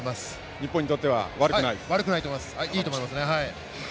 日本にとっては悪くない？いいと思います。